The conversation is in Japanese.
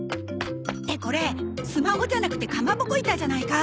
ってこれスマホじゃなくてかまぼこ板じゃないか！